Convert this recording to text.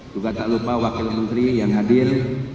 juga tak lupa wakil menteri yang hadir